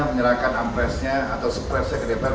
menyerahkan ampresnya atau sepresnya ke dpr